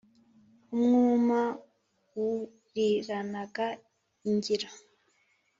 Umwuma wuriranaga ingira